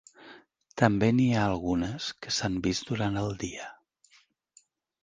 També n'hi ha algunes que s'han vist durant el dia.